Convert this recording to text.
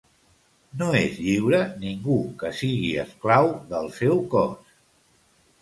No és lliure ningú que sigui esclau del seu cos.